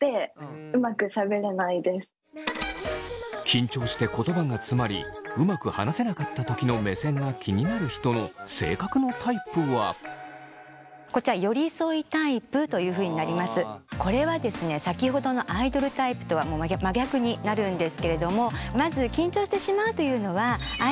緊張して言葉がつまりうまく話せなかったときの目線が気になる人のこれはですね先ほどのアイドルタイプとは真逆になるんですけれども。